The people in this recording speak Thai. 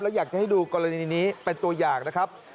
อยากจะให้ดูกรณีนี้เป็นตัวอย่างนะครับ